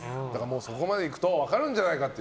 そこまでいくと分かるんじゃないかと。